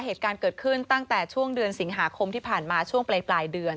เหตุการณ์เกิดขึ้นตั้งแต่ช่วงเดือนสิงหาคมที่ผ่านมาช่วงปลายเดือน